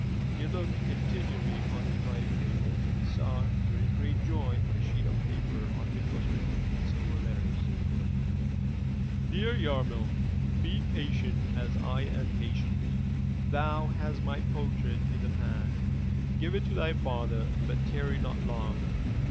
He looked continually on his writing table till he saw to his great joy a sheet of paper on which was written in silver letters — ''Dear Yarmil, — Be patient, as I am patient. Thou hast my portrait in the pan; give it to thy father, but tarry not long.